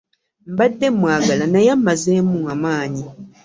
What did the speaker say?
Mbadde mmwagala naye ammazeemu amaanyi.